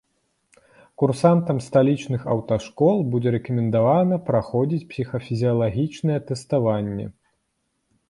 Курсантам сталічных аўташкол будзе рэкамендавана праходзіць псіхафізіалагічнае тэставанне.